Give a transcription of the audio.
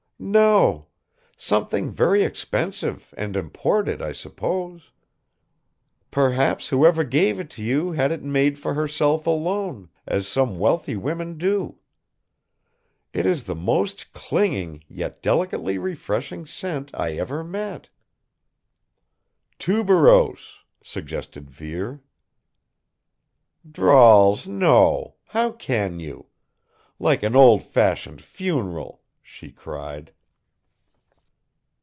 "No. Something very expensive and imported, I suppose. Perhaps whoever gave it to you had it made for herself alone, as some wealthy women do. It is the most clinging, yet delicately refreshing scent I ever met." "Tuberose," suggested Vere. "Drawls, no. How can you? Like an old fashioned funeral!" she cried.